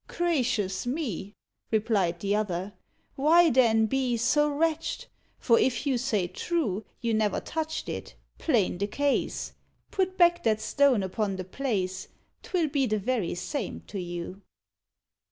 "Gracious me!" Replied the other, "why, then, be So wretched? for if you say true, You never touched it, plain the case; Put back that stone upon the place, 'Twill be the very same to you."